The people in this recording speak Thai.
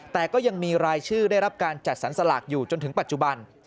แต่ก็ยังมีรายชื่อได้รับการจัดสรรสลากอยู่จนถึงปัจจุบัน